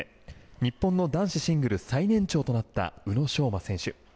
日本の男子シングル最年長となった宇野昌磨選手。